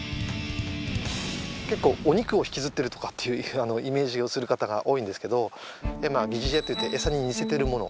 結構お肉を引きずってるとかっていうイメージをする方が多いんですけど疑似餌といって餌に似せてるもの。